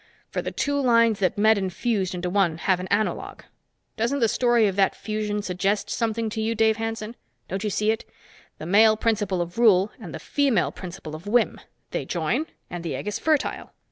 For the two lines that met and fused into one have an analogue. Doesn't the story of that fusion suggest something to you, Dave Hanson? Don't you see it, the male principle of rule and the female principle of whim; they join, and the egg is fertile!